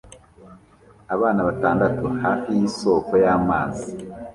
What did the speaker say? Abana batandatu hafi yisoko y'amazi